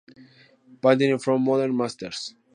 Painting from modern masters.